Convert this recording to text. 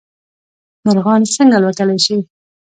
مرغان څنګه الوتلی شي؟